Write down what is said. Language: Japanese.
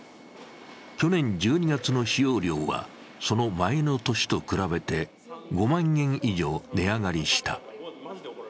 去年１２月の使用料はその前の年と比べて５万円以上値上がりした。